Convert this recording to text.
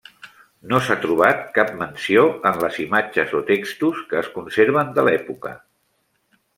No s'ha trobat cap menció en les imatges o textos que es conserven de l'època.